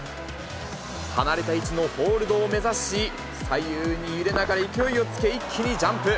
離れた位置のホールドを目指し、左右に揺れながら勢いをつけ、一気にジャンプ。